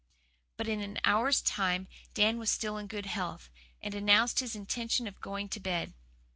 But in an hour's time Dan was still in good health, and announced his intention of going to bed.